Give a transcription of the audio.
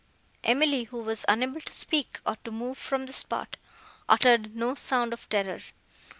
Emily, who was unable to speak, or to move from the spot, uttered no sound of terror.